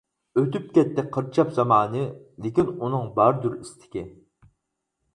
ئۆتۈپ كەتتى قىر چاپ زامانى، لېكىن ئۇنىڭ باردۇر ئىستىكى.